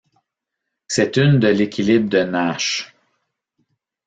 C’est une de l’équilibre de Nash.